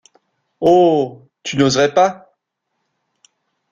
Oh! tu n’oserais pas.